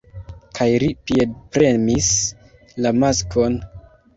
kaj li piedpremis la maskon.